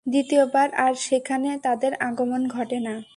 দ্বিতীয়বার আর সেখানে তাদের আগমন ঘটে না।